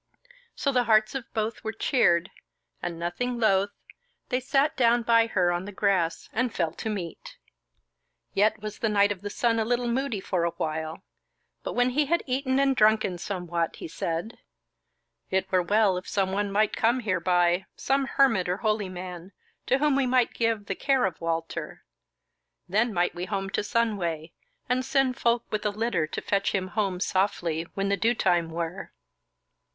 So the hearts of both were cheered, and nothing loth they sat down by her on the grass and fell to meat. Yet was the Knight of the Sun a little moody for a while, but when he had eaten and drunken somewhat, he said: "It were well if someone might come hereby, some hermit or holy man, to whom we might give the care of Walter: then might we home to Sunway, and send folk with a litter to fetch him home softly when the due time were."